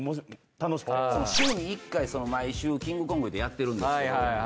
週に１回『毎週キングコング』ってやってるんですけど。